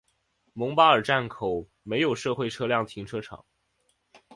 蒙巴尔站门口设有社会车辆停车场。